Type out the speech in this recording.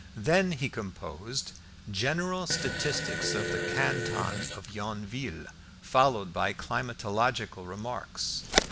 Then he composed "General Statistics of the Canton of Yonville, followed by Climatological Remarks."